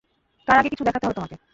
তার আগে কিছু দেখাতে হবে তোমাকে।